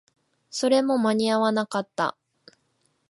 それも間に合わなかった